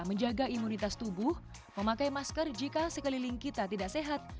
menjaga imunitas tubuh memakai masker jika sekeliling kita tidak sehat